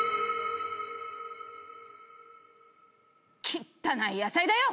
きったない野菜だよ！